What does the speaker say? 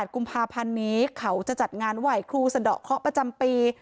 กุมภาพันธ์นี้เขาจะจัดงานไหว้ครูสะดอกเคาะประจำปี